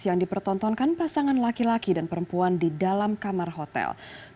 yang dipertontonkan pasangan laki laki dan perempuan di dalam kamar hotel